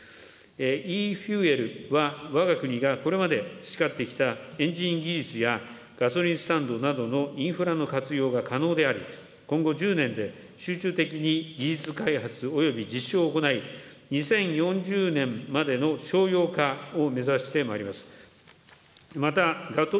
イーフューエルは、わが国がこれまで培ってきたエンジン技術やガソリンスタンドなどのインフラの活用が可能であり、今後１０年で集中的に技術開発および実証を行い、２０４０年までの商業化を目指してまいります。